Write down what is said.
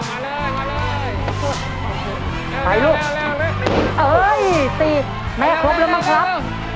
มาเลยมาเลยเอ้ยตีไม่ครบแล้วบ้างครับ